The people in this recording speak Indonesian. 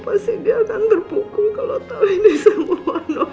pasti dia akan berpukul kalau tau ini semua nuh